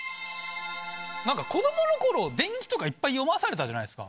何か子供の頃伝記とかいっぱい読まされたじゃないですか。